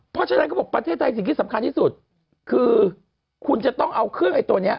เพราะฉะนั้นเขาบอกประเทศไทยสิ่งที่สำคัญที่สุดคือคุณจะต้องเอาเครื่องไอ้ตัวนี้